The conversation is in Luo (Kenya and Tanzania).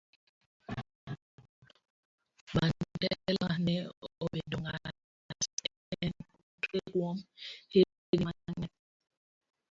Mandela ema ne obedo ng'at ma ne otwe kuom higini mang'eny